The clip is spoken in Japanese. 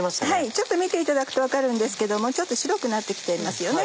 ちょっと見ていただくと分かるんですけどもちょっと白くなって来ていますよね。